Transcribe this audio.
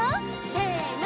せの！